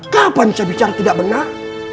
kapan saya bicara tidak benar